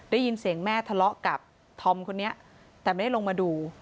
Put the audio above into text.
ได้ยินเสียงแม่ทะเลาะกับธอมคนนี้แต่ไม่ได้ลงมาดู